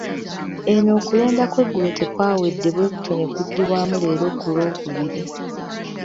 Eno okulonda kw’eggulo tekwawedde bwe kutyo ne kuddibwamu leero ku Lwokubiri.